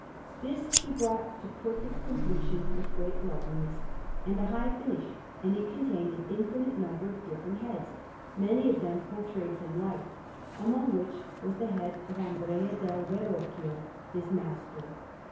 This he brought to perfect completion with great loveliness and a high finish, and it contained an infinite number of different heads, many of them portrayed from life, among which was the head of Andrea del Verrocchio, his master.